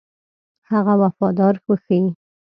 هغه وفاداري وښيي.